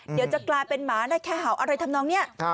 เดี๋ยวจะกลายเป็นหมาได้แค่เห่าอะไรทำนองนี้